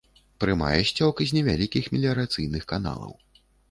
Прымае сцёк з невялікіх меліярацыйных каналаў.